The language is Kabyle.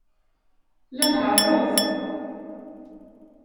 La nɛerreḍ.